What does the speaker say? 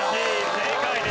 正解です。